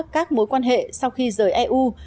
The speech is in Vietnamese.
các mối quan hệ sau khi rời eu